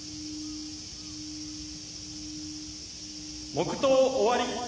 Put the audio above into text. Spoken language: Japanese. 黙とう終わり。